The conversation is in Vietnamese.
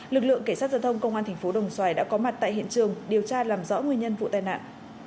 lực lượng kể sát giao thông công an tp đồng xoài đã có mặt tại hiện trường điều tra làm rõ nguyên nhân vụ tai nạn